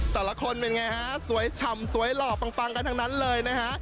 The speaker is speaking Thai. แต่ละคนเป็นไงฮะสวยฉ่ำสวยหล่อปังกันทั้งนั้นเลยนะฮะ